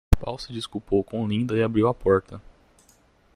Paul se desculpou com Linda e abriu a porta.